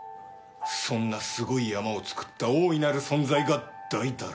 そんなすごい山をつくった大いなる存在がだいだらぼっち。